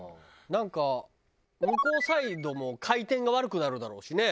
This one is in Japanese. なんか向こうサイドも回転が悪くなるだろうしね。